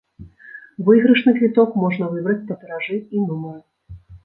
Выйгрышны квіток можна выбраць па тыражы і нумары.